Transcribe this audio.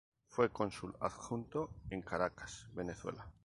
Fue Cónsul Adjunto en Caracas, Venezuela.